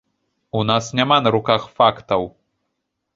У нас няма на руках фактаў.